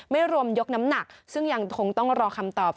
ไม่รวมยกน้ำหนักซึ่งยังคงต้องรอคำตอบ